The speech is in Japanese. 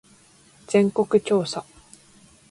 全国調査